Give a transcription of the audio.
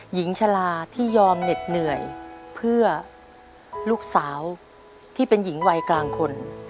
หญิงชะลาที่ยอมเหน็ดเหนื่อยเพื่อลูกสาวที่เป็นหญิงวัยกลางคน